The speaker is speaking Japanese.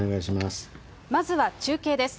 まずは中継です。